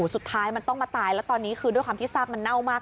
สุดท้ายมันต้องมาตายแล้วตอนนี้คือด้วยความที่ซากมันเน่ามาก